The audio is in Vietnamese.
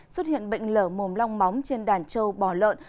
xuất hiện bệnh lở mồm long móng trên đàn trâu bò lợn